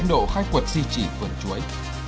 đội khai quật di chỉ vườn chuối